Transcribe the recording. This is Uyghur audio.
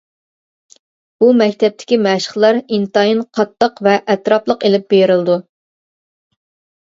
بۇ مەكتەپتىكى مەشىقلەر ئىنتايىن قاتتىق ۋە ئەتراپلىق ئېلىپ بېرىلىدۇ.